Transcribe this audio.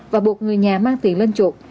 và buộc người nhà mang tiền lên chuột